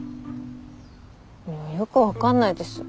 よく分かんないです。